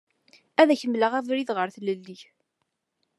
Ad ak-mleɣ abrid ɣer tlelli.